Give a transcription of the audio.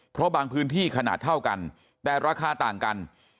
เพราะบางพื้นที่ขนาดเท่ากันแต่ราคาต่างกัน